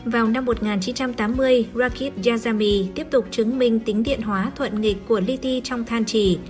vào năm một nghìn chín trăm tám mươi rakit yazami tiếp tục chứng minh tính điện hóa thuận nghịch của li ti trong than trì